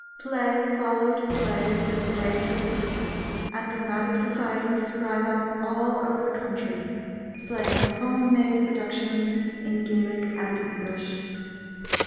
Play followed play with great rapidity, and dramatic societies sprang up all over the country, playing home made productions in Gaelic and English.